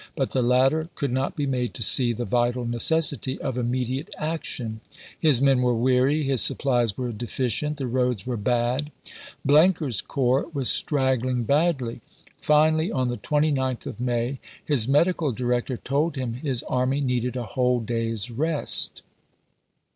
But the latter could not be made to see the vital necessity of immediate action — his men were weary, his supplies were deficient, the roads were bad ; Blenker's corps was straggling badly. Finally, on the 29th of May, his medical director told him his army needed a whole day's rest.